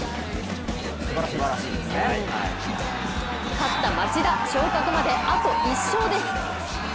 勝った町田、昇格まであと１勝です。